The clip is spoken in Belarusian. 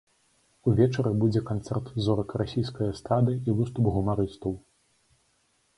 Увечары будзе канцэрт зорак расійскай эстрады і выступ гумарыстаў.